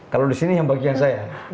kalau disini yang bagian saya